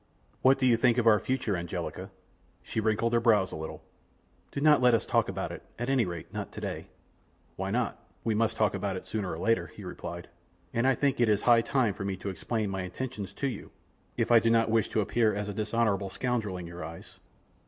"What do you think of our future, Angelica?" She wrinkled her brows a little. "Do not let us talk about it; at any rate not to day." "Why not? We must talk about it sooner or later," he replied, "and I think it is high time for me to explain my intentions to you, if I do not wish to appear as a dishonorable scoundrel in your eyes."